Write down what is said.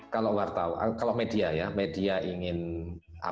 kalau media ingin memotret kondisi sesungguhnya